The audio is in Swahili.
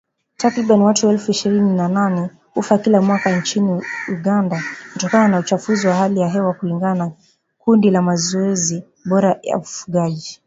Takriban watu elfu ishirini na nane hufa kila mwaka nchini Uganda kutokana na uchafuzi wa hali ya hewa kulingana na kundi la Mazoezi Bora ya Ufugaji.